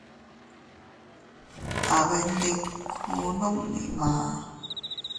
Abendikuu nunni maá.